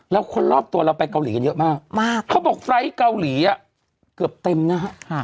แล้วคนรอบตัวเราไปเกาหลีกันเยอะมากเขาบอกไฟล์ทเกาหลีเกือบเต็มนะฮะ